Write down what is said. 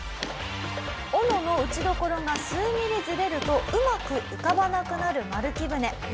斧の打ち所が数ミリズレるとうまく浮かばなくなる丸木舟。